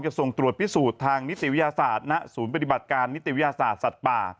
ส่งตรวจพิสูจน์ทางนิติวิทยาศาสตร์ณศูนย์ปฏิบัติการนิติวิทยาศาสตร์สัตว์ป่า